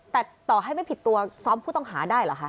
แต่ต่อให้ไม่ผิดตัวซ้อมผู้ต้องหาได้เหรอคะ